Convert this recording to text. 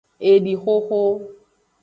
Edixoxo.